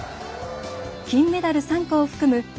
金メダル３個を含む